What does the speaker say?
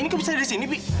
ini kenapa saya disini